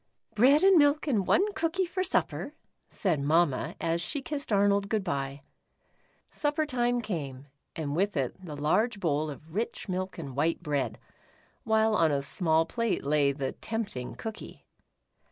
" Bread and milk and one cookie for supper," said Mamma, as she kissed Arnold good bye. Supper time came, and with it the large bowl of rich milk and white bread, while on a small plate lay the tempting cookie.